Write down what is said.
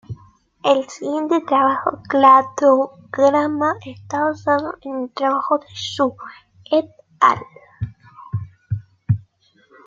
El siguiente cladograma esta basado en el trabajo de Xu "et al.